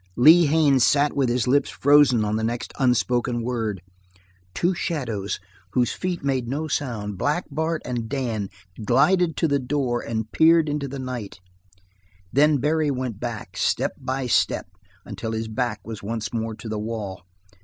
Lee Haines sat with his lips frozen on the next unspoken word. Two shadows, whose feet made no sound, Black Bart and Dan glided to the door and peered into the night then Barry went back, step by step, until his back was once more to the wall.